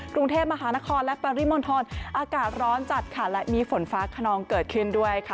กรุงเทพมหานครและปริมณฑลอากาศร้อนจัดค่ะและมีฝนฟ้าขนองเกิดขึ้นด้วยค่ะ